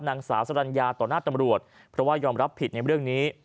นางสาวสรรญาต่อหน้าตำรวจเพราะว่ายอมรับผิดในเรื่องนี้